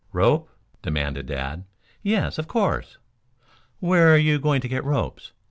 "Rope?" demanded Dad. "Yes, of course." "Where are you going to get ropes?